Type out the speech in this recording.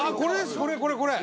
これこれこれ！